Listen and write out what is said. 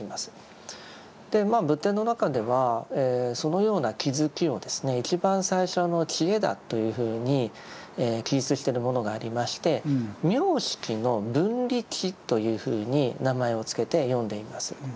でまあ仏典の中ではそのような気づきを一番最初の智恵だというふうに記述してるものがありまして「名色の分離智」というふうに名前を付けて呼んでいます。